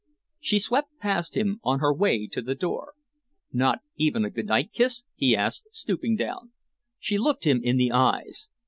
She swept past him on her way to the door. "Not even a good night kiss?" he asked, stooping down. She looked him in the eyes.